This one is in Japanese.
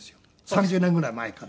３０年ぐらい前から。